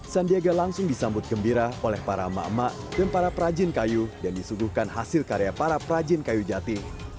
sandiaga langsung disambut gembira oleh para emak emak dan para perajin kayu yang disuguhkan hasil karya para perajin kayu jati